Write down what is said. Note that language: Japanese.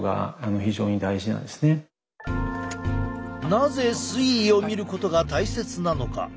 なぜ推移を見ることが大切なのか。